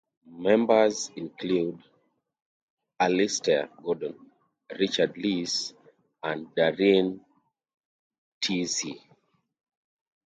Members include Alistair Gordon, Richard Lees and Darrin Tidsey.